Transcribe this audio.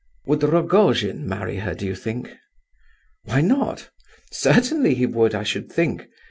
"Would Rogojin marry her, do you think?" "Why not? Certainly he would, I should think.